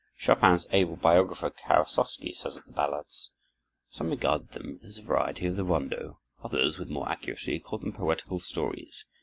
Chopin's able biographer, Karasowski, says of the ballades: "Some regarded them as a variety of the rondo; others, with more accuracy, called them poetical stories.